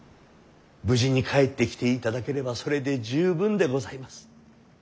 無事に帰ってきていただければそれで十分でございます。